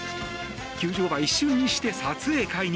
球場は一瞬にして撮影会に。